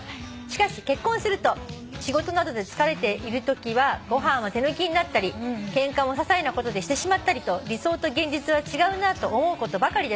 しかし結婚すると仕事などで疲れているときはご飯は手抜きになったりケンカもささいなことでしてしまったりと理想と現実は違うなと思うことばかりです」